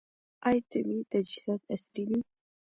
آیا طبي تجهیزات عصري دي؟